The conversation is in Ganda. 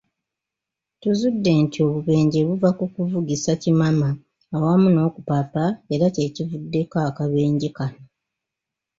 Tuzudde nti obubenje buva ku kuvugisa kimama awamu n'okupapa era kyekivuddeko akabenje kano.